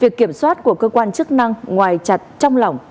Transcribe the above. việc kiểm soát của cơ quan chức năng ngoài chặt trong lỏng